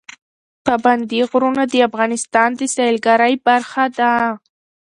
پابندی غرونه د افغانستان د سیلګرۍ برخه ده.